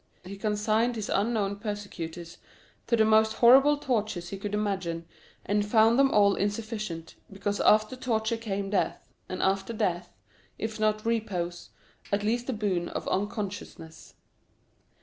He consigned his unknown persecutors to the most horrible tortures he could imagine, and found them all insufficient, because after torture came death, and after death, if not repose, at least the boon of unconsciousness.